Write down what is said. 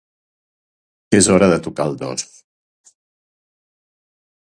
És hora de tocar el dos.